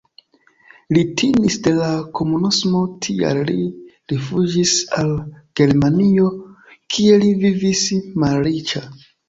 Li timis de la komunismo, tial li rifuĝis al Germanio, kie li vivis malriĉa.